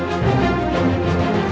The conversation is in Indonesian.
belum ada semuanya